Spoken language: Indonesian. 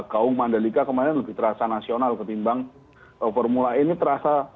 gaung mandalika kemarin lebih terasa nasional ketimbang formula e ini terasa